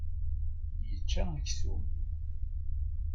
Yeĉĉa aksum.